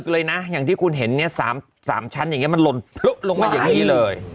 เลยนะอย่างที่คุณเห็นเนี่ย๓ชั้นอย่างนี้มันหล่นลงมาอย่างนี้เลย